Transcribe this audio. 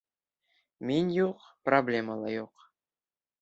Мин юҡ, проблема ла юҡ.